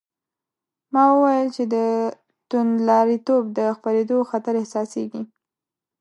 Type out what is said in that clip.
ما وویل چې د توندلاریتوب د خپرېدو خطر احساسېږي.